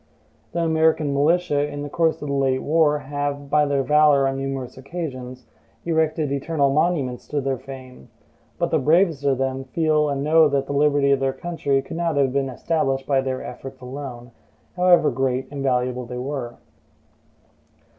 The American militia, in the course of the late war, have, by their valor on numerous occasions, erected eternal monuments to their fame; but the bravest of them feel and know that the liberty of their country could not have been established by their efforts alone, however great and valuable they were.